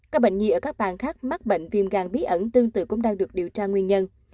các bệnh nhi ở các bàn khác mắc bệnh viêm gan bí ẩn tương tự cũng đang được điều tra nguyên nhân